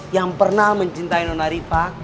yang pernah mencintai nona riva